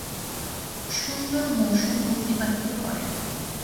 সুন্দর মৌসুম অতিবাহিত করেন।